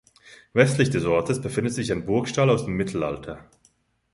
Westlich des Ortes befindet sich ein Burgstall aus dem Mittelalter.